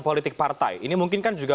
politik partai ini mungkin kan juga